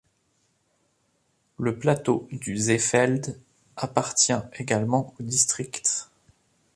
Le plateau du Seefeld appartient également au district.